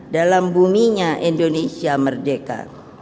dalam buminya indonesia merdeka